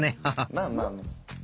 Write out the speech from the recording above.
まあまあまあ。